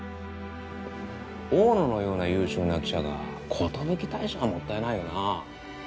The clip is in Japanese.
大野のような優秀な記者が寿退社はもったいないよなぁ。